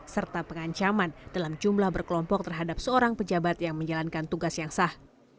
serta pengancaman dalam jumlah berkelompok terhadap seorang pejabat yang menjalankan tugas yang sah